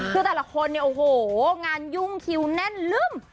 คือแต่ละคนเนี่ยโอ้โหงานยุ่งคิวแน่นลึ่ม